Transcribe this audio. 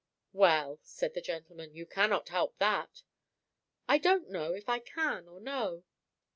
"Well," said the gentleman, "you cannot help that." "I don't know if I can or no!"